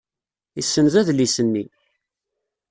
Yessenz adlis-nni.